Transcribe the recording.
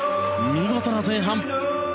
見事な前半。